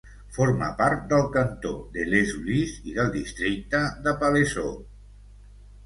Forma part del cantó de Les Ulis i del districte de Palaiseau.